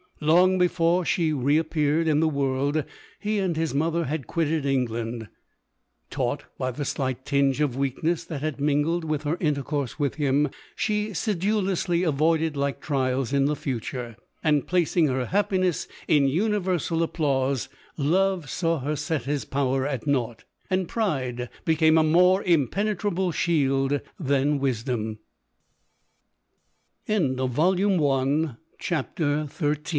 Long before she re appeared in the world, he and his mother had quitted England. Taught by the slight tinge of weakness that had mingled with her intercourse with him, she sedulously avoided like trials in future; and placing her happiness in universal ap plause, love saw her set his power at nought, and pride become a more impenetrable shield t